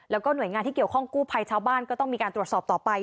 แล้วก็หน่วยงานที่เกี่ยวข้องกู้ภัยชาวบ้านก็ต้องมีการตรวจสอบต่อไป